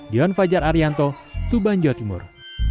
dion fajar arianto tuban jawa timur